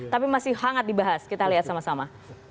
tapi masih hangat dibahas kita lihat sama sama